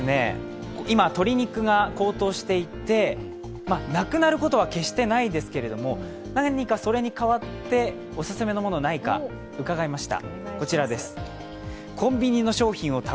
今鶏肉が高騰していて、なくなることは決してないですけれども、何かそれに変わっておすすめのものがないか伺いました。